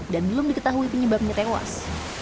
dan belum diketahui penyebabnya tewas